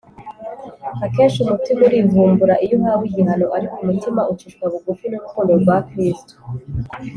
akenshi umutima urivumbura iyo uhawe igihano; ariko umutima ucishwa bugufi n’urukundo rwa kristo